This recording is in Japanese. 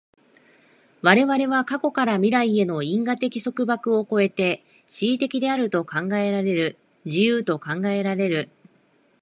我々は過去から未来への因果的束縛を越えて思惟的であると考えられる、自由と考えられる。